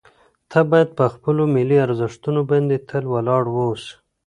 ته باید په خپلو ملي ارزښتونو باندې تل ولاړ واوسې.